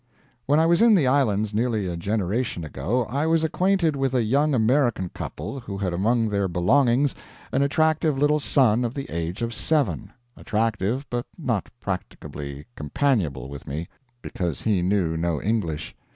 When I was in the islands nearly a generation ago, I was acquainted with a young American couple who had among their belongings an attractive little son of the age of seven attractive but not practicably companionable with me, because he knew no English.